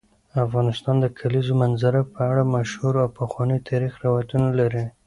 افغانستان د کلیزو منظره په اړه مشهور او پخواي تاریخی روایتونه لري.